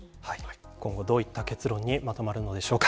今後、どういった結論にまとまるのでしょうか。